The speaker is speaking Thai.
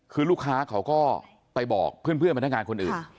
คือลูกค้าเขาก็ไปบอกเพื่อนพนักงานคนอื่น